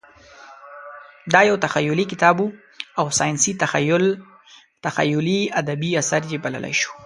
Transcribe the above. دا یو تخیلي کتاب و او ساینسي تخیلي ادبي اثر یې بللی شو.